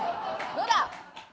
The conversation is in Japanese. どうだ？